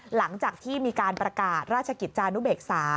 หลังจากที่มีการประกาศราชกิจจานุเบกษา